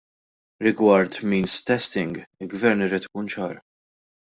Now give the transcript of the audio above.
Rigward means testing, il-Gvern irid ikun ċar.